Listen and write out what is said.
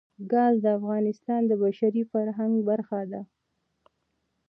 ګاز د افغانستان د بشري فرهنګ برخه ده.